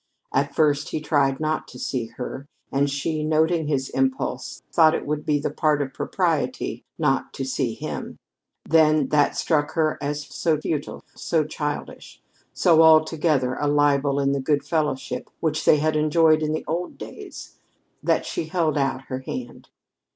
At first he tried not to see her, and she, noting his impulse, thought it would be the part of propriety not to see him. Then that struck her as so futile, so childish, so altogether a libel on the good fellowship which they had enjoyed in the old days, that she held out her hand.